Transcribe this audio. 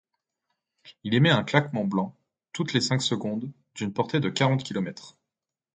Il émet un éclat blanc, toutes les cinq secondes, d'une portée de quarante kilomètres.